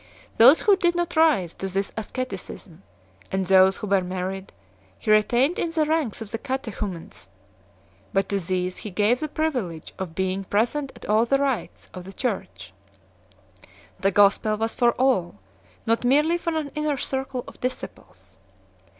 Those who did not rise to this asceticism, and those who were married 2 , he retained in the ranks of the catechumens, but to these he gave the privilege of being present at all the rites of the Church; the gospel was for all, not merely for an inner circle of disciples.